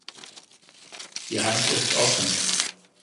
Die Hand ist offen.